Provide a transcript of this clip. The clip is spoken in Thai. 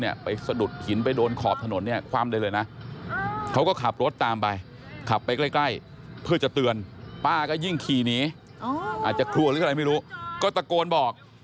หรืออะไรไม่รู้ก็ตะโกนบอก